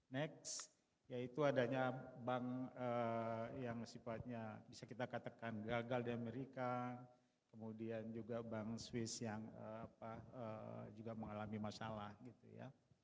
next yaitu adanya bank yang sifatnya bisa kita katakan gagal di amerika kemudian juga bank swiss yang juga mengalami masalah gitu ya